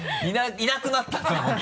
いなくなったと思って。